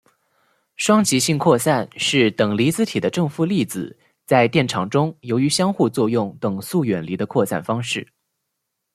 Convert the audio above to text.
双极性扩散是等离子体的正负粒子在电场中由于相互作用等速远离的扩散方式。